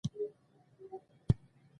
خولۍ د افغاني میراث ساتونکې ده.